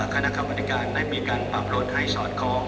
คณะขับบริการได้มีการปรับรถให้สอดคลอม